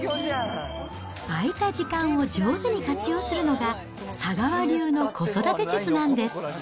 空いた時間を上手に活用するのが、佐川流の子育て術なんです。